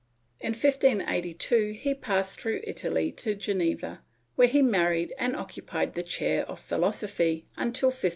In 1582 he passed through Italy to Geneva, where he married and occupied the chair of philosophy until 1586.